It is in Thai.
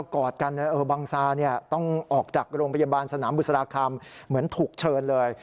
กอดกันบังซาต้องออกจากโรงพยาบาลสนามบุษราคำเหมือนถูกเชิญเลย